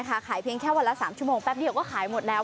ขายเพียงแค่วันละ๓ชั่วโมงแป๊บเดียวก็ขายหมดแล้ว